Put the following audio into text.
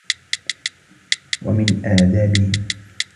وَمِنْ آدَابِهِمْ